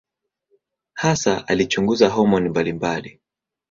Hasa alichunguza homoni mbalimbali.